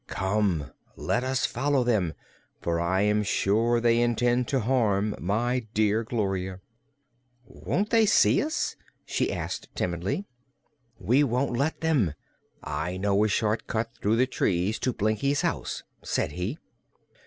"Come, let us follow them, for I am sure they intend to harm my dear Gloria." "Won't they see us?" she asked timidly. "We won't let them. I know a short cut through the trees to Blinkie's house," said he.